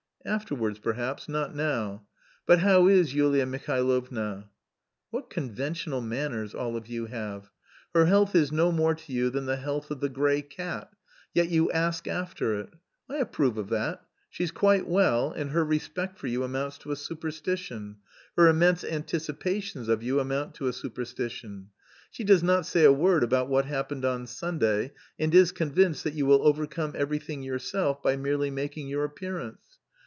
"Afterwards, perhaps, not now. But how is Yulia Mihailovna?" "What conventional manners all of you have! Her health is no more to you than the health of the grey cat, yet you ask after it. I approve of that. She's quite well, and her respect for you amounts to a superstition, her immense anticipations of you amount to a superstition. She does not say a word about what happened on Sunday, and is convinced that you will overcome everything yourself by merely making your appearance.